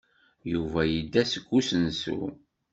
Yuba yedda seg usensu.